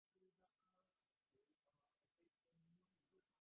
সম্পূর্ণ প্রেমানুভূতিতে দেহবুদ্ধি পর্যন্ত থাকে না।